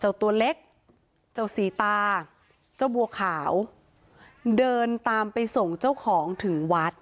ตัวเล็กเจ้าสีตาเจ้าบัวขาวเดินตามไปส่งเจ้าของถึงวัด